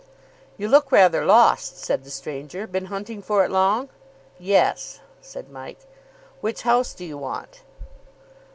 "You look rather lost," said the stranger. "Been hunting for it long?" "Yes," said Mike. "Which house do you want?"